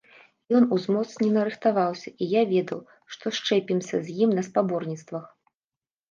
Ён узмоцнена рыхтаваўся, і я ведаў, што счэпімся з ім на спаборніцтвах.